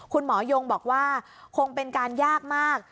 คุณหมอยงบอกว่าคงเป็นการยากมาก